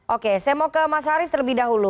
oke saya mau ke mas haris terlebih dahulu